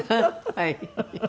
はい。